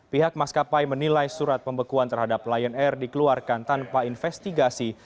pihak maskapai menilai surat pembekuan terhadap lion air dikeluarkan tanpa investigasi